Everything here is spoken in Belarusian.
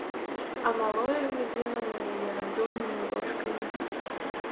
А малое глядзела на яе разумнымі вочкамі.